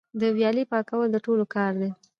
د ویالې پاکول د ټولو کار دی؟